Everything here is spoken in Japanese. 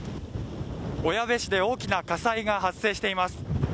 小矢部市で大きな火災が発生しています。